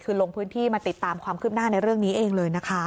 คือลงพื้นที่มาติดตามความคืบหน้าในเรื่องนี้เองเลยนะคะ